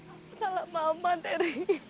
apa salah mama teri